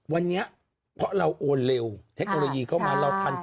วันนี้เพราะเราโอนเร็วเทคโนโลยีเข้ามาเราทัน